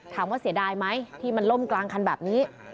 เสียดายไหมที่มันล่มกลางคันแบบนี้